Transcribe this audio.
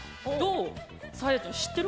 サーヤちゃん、知ってる？